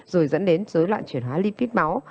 rồi dẫn đến dối loạn chuyển hóa lipid máu